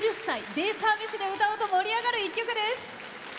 デイサービスで歌うと盛り上がる一曲です。